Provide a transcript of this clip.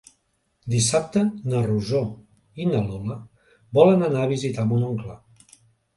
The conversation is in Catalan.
Dissabte na Rosó i na Lola volen anar a visitar mon oncle.